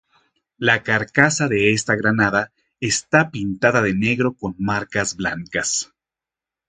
La carcasa de esta granada está pintada de negro con marcas blancas.